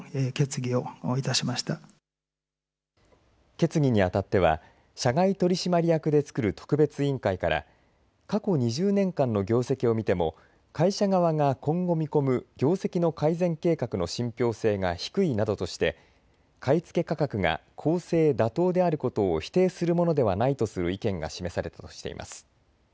決議にあたっては社外取締役で作る特別委員会から過去２０年間の業績を見ても会社側が今後、見込む業績の改善計画の信ぴょう性が低いなどとして買い付け価格が公正・妥当であることを否定するものではないとする意見が示されたとしています。